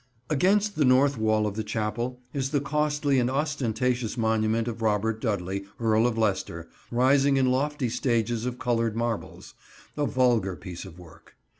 Against the north wall of the Chapel is the costly and ostentatious monument of Robert Dudley, Earl of Leicester, rising in lofty stages of coloured marbles; a vulgar piece of work.